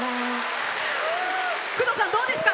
工藤さん、どうですか？